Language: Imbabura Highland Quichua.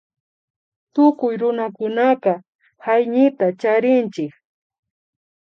Tukuy runakunaka hayñita charinchik